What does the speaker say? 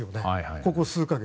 ここ数か月。